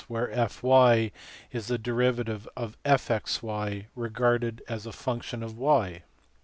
where f y is the derived function of f fa y) regarded as a function of y.